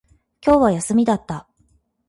今日は休みだった